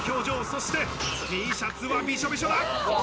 そしてＴシャツはびしょびしょだ。